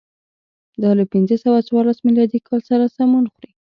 دا له پنځه سوه څوارلس میلادي کال سره سمون خوري.